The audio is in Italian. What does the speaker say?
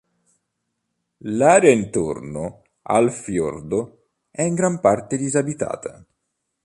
L'area intorno al fiordo è in gran parte disabitata.